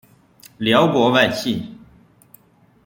辽国外戚。